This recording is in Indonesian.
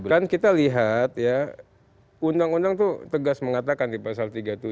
kan kita lihat ya undang undang itu tegas mengatakan di pasal tiga puluh tujuh